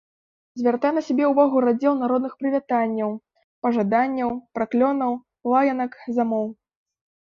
Звяртае на сябе ўвагу раздзел народных прывітанняў, пажаданняў, праклёнаў, лаянак, замоў.